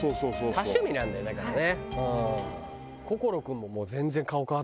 多趣味なんだよだからねうん。